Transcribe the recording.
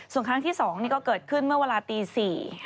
ส่วนครั้งที่๒นี่ก็เกิดขึ้นเมื่อเวลาตี๔